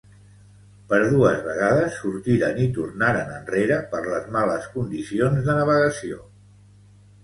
Per dues vegades sortiren i tornaren enrere per les males condicions de navegació.